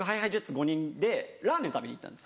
５人でラーメン食べに行ったんです。